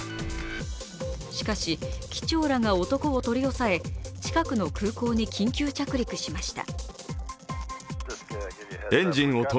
しかし機長らが男を取り押さえ、近くの空港に緊急着陸しました。